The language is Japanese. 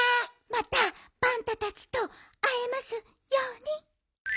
またパンタたちとあえますように。